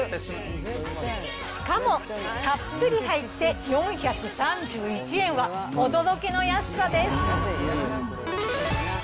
しかもたっぷり入って４３１円は、驚きの安さです。